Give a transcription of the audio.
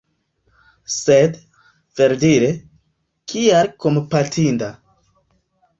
Sed, verdire, kial kompatinda?